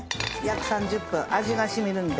約３０分味が染みるんで。